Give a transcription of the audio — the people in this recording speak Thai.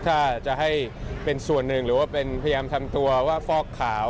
ถ้าจะให้เป็นส่วนหนึ่งหรือว่าเป็นพยายามทำตัวว่าฟอกขาว